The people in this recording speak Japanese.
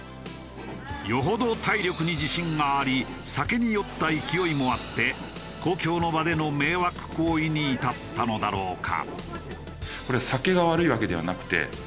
余程体力に自信があり酒に酔った勢いもあって公共の場での迷惑行為に至ったのだろうか？